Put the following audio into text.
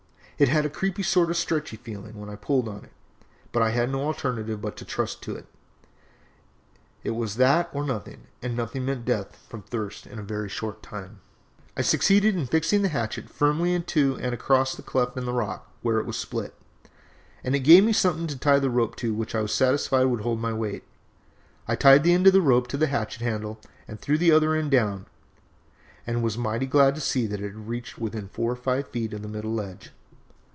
It had a creepy sort of stretchy feeling when I pulled on it, but I had no alternative but to trust to it, it was that or nothing, and nothing meant death from thirst in a very short time. "I succeeded in fixing the hatchet firmly into and across a cleft in the rock where it was split, and it gave me something to tie the rope to which I was satisfied would hold my weight. I tied the end of the rope to the hatchet handle and threw the other end down, and was mighty glad to see that it reached within four or five feet of the middle ledge.